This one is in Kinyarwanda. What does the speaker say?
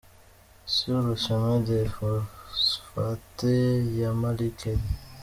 Sur Le Chemin Des Phosphate ya Malik El.